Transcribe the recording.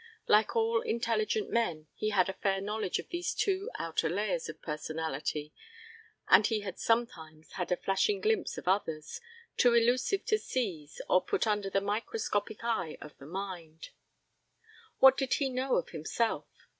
Like all intelligent men, he had a fair knowledge of these two outer layers of personality, and he had sometimes had a flashing glimpse of others, too elusive to seize and put under the microscopic eye of the mind. What did he know of himself?